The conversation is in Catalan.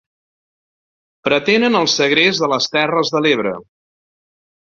Pretenen el segrest de les terres de l'Ebre.